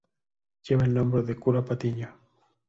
Lleva el nombre del cura Patiño.